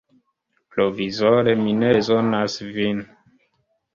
Provizore mi ne bezonas vin.